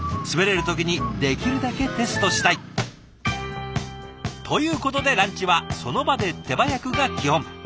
滑れる時にできるだけテストしたい。ということでランチはその場で手早くが基本。